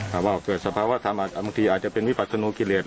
หรือว่าเกิดสภาวะธรรมบางทีอาจจะเป็นวิบัติธรรมกิเลส